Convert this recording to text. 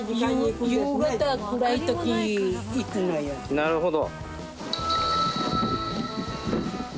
なるほど。